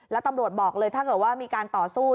แล้วตำรวจบอกเลยถ้าเกิดว่ามีการต่อสู้